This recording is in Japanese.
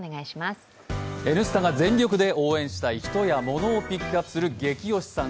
「Ｎスタ」が全力で応援したい人やモノをピックアップするゲキ推しさん。